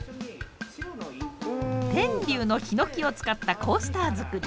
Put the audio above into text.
天竜のヒノキを使ったコースター作り。